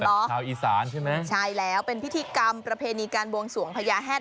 ชาวอีสานใช่ไหมใช่แล้วเป็นพิธีกรรมประเพณีการบวงสวงพญาแฮด